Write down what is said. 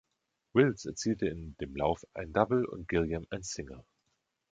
Wills erzielte in dem Lauf ein Double und Gilliam ein Single.